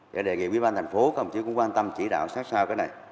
vậy đề nghị quý ban thành phố không chứ cũng quan tâm chỉ đạo sát sao cái này